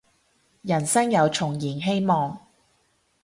人生又重燃希望